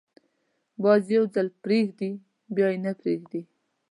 باز یو ځل پرېږدي، بیا یې نه پریږدي